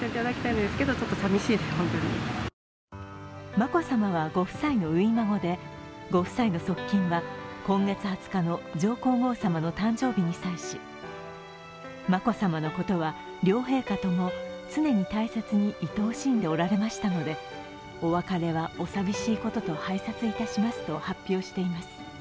眞子さまはご夫妻の初孫でご夫妻の側近は今月２０日の上皇后さまの誕生日に際し眞子さまのことは両陛下とも常に大切にいとおしんでおられましたのでお別れはお寂しいことと拝察いたしますと発表しています。